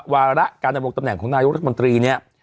วาระการนำบวกตำแหน่งของนายกรุงรัฐมนตรี